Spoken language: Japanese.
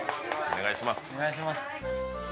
お願いします